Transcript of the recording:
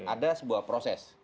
ada sebuah proses